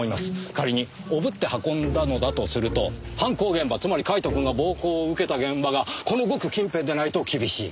仮におぶって運んだのだとすると犯行現場つまりカイトくんが暴行を受けた現場がこのごく近辺でないと厳しい。